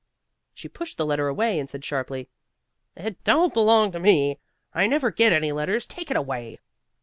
She pushed the letter away and said sharply, "It don't belong to me. I never get any letters. Take it away."